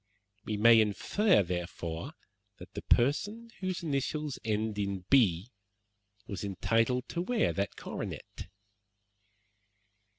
We may infer, therefore, that the person whose initials end in B was entitled to wear that coronet."